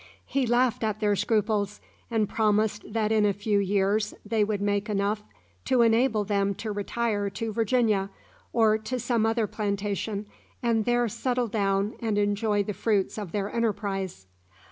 He laughed at their scruples, and promised that in a few years they would make enough to enable them to retire to Virginia, or to some other plantation, and there settle down and enjoy the fruits of their enterprise.